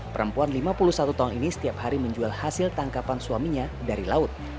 perempuan lima puluh satu tahun ini setiap hari menjual hasil tangkapan suaminya dari laut